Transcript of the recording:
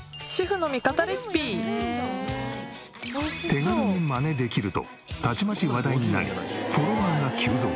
手軽にマネできるとたちまち話題になりフォロワーが急増！